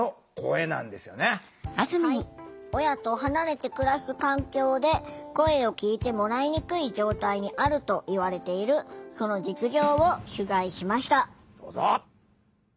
親と離れて暮らす環境で声を聴いてもらいにくい状態にあるといわれているその実情を取材しました。